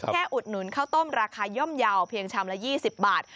อุดหนุนข้าวต้มราคาย่อมเยาว์เพียงชามละ๒๐บาท